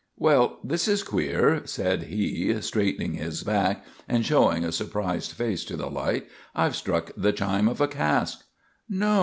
"Well, this is queer!" said he, straightening his back and showing a surprised face to the light. "I've struck the chime of a cask." "No!"